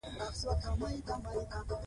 لیکوال همدې پیغام ته کار کوي.